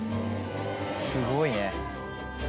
すごいね。